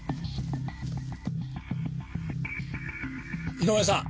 井上さん！